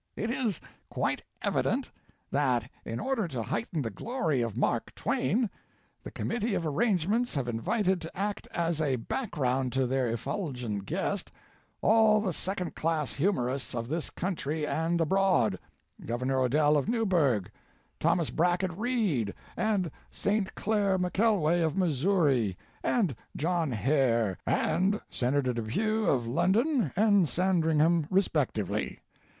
It is quite evident that, in order, to heighten the glory of Mark Twain, the Committee of Arrangements have invited to act as a back ground to their effulgent guest all the second class humorists of this country and abroad Gov. Odell of Newbury, Thomas Brackett Reed, and St. Clair McKelway of Missouri, and John Hare and Senator Depew of London and Sandringham respectively.